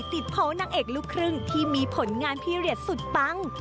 ที่ติดโพสต์นางเอกลูกครึ่งที่มีผลงานพีเรียดสุดปัง